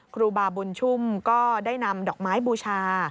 ครูบาบุญชุ่มก็ได้นำดอกไม้บูชา